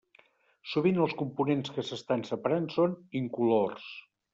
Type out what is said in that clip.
Sovint els components que s'estan separant són incolors.